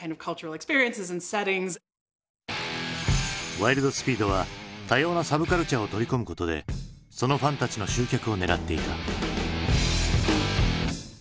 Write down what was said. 「ワイルド・スピード」は多様なサブカルチャーを取り込むことでそのファンたちの集客を狙っていた。